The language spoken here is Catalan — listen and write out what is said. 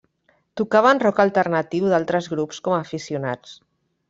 Tocaven rock alternatiu d'altres grups com a aficionats.